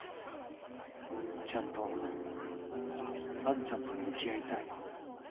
ちゃんとアンちゃんと向き合いたい